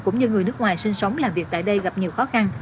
cũng như người nước ngoài sinh sống làm việc tại đây gặp nhiều khó khăn